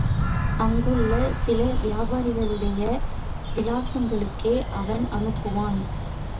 அங்குள்ள சில வியாபாரிகளுடைய விலாசங்களுக்கே அவன் அனுப்புவான்.